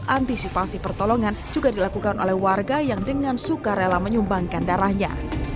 antisipasi pertolongan juga dilakukan oleh warga yang dengan suka rela menyumbangkan darahnya